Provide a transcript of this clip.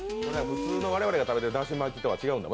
普通の我々が食べているだし巻きとは違うんだ。